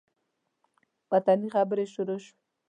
وطني خبرې شروع شوې.